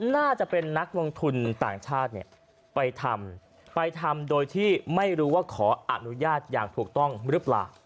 น่าจะเป็นนักลงทุนต่างชาติเนี่ยไปทำไปทำโดยที่ไม่รู้ว่าขออนุญาตอย่างถูกต้องหรือเปล่า